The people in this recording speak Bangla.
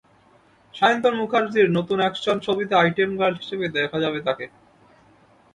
সায়ন্তন মুখার্জির নতুন অ্যাকশন ছবিতে আইটেম গার্ল হিসেবে দেখা যাবে তাঁকে।